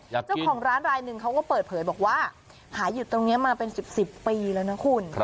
เจ้าของร้านรายหนึ่งเขาก็เปิดเผยบอกว่าหายอยู่ตรงนี้มาเป็น๑๐ปีแล้วนะคุณ